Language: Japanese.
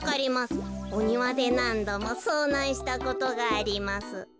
おにわでなんどもそうなんしたことがあります」。